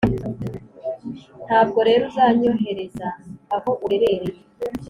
ntabwo rero uzanyohereza, aho uherereye